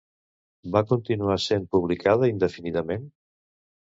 Va continuar sent publicada indefinidament?